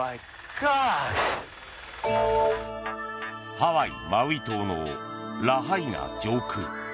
ハワイ・マウイ島のラハイナ上空。